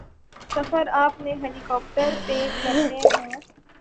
سفر آپ نے ہیلی کاپٹر پہ کرنے ہوں۔